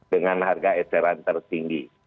dengan harga eceran tertinggi